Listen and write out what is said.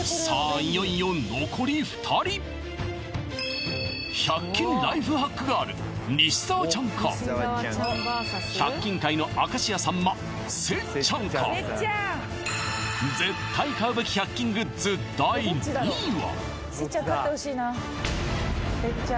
いよいよ１００均ライフハックガール西澤ちゃんか１００均界の明石家さんませっちゃんか絶対買うべき１００均グッズ第２位は？